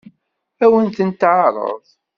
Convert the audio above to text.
Ad wen-tent-teɛṛeḍ?